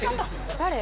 誰？